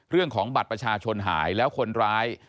เรื่องของบัตรประชาชนหายแล้วคนร้าย